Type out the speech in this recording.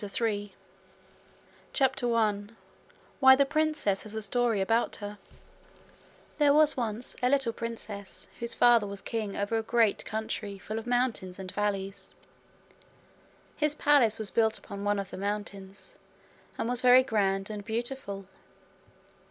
The Last Chapter CHAPTER 1 Why the Princess Has a Story About Her There was once a little princess whose father was king over a great country full of mountains and valleys. His palace was built upon one of the mountains, and was very grand and beautiful.